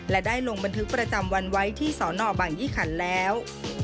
และได้ลงบันทึกประจำวันไว้ที่สอนอบางยี่ขันแล้ว